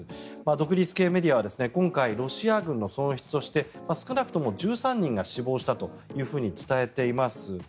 独立系メディアは今回、ロシア軍の損失として少なくとも１３人が死亡したと伝えています。